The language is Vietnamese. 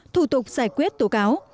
thủ tục giải quyết tố cáo